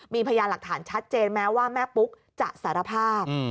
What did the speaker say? มีพยานหลักฐานชัดเจนแม้ว่าแม่ปุ๊กจะสารภาพ